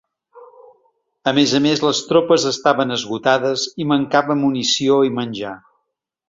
A més a més, les tropes estaven esgotades i mancava munició i menjar.